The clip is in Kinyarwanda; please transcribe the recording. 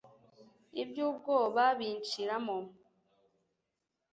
iby'ubwoba binshiramo